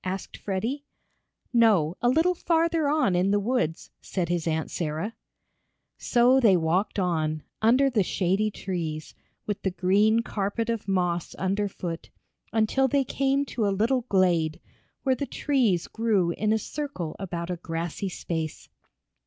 asked Freddie. "No, a little farther on in the woods," said his Aunt Sarah. So they walked on, under the shady trees, with the green carpet of moss under foot, until they came to a little glade, where the trees grew in a circle about a grassy space.